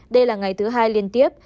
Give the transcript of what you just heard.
đây là ngày thứ hai liên tiếp